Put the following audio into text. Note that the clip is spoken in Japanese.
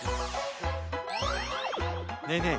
ねえねえ